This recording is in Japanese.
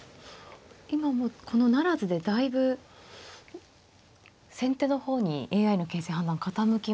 今もうこの不成でだいぶ先手の方にＡＩの形勢判断傾きました。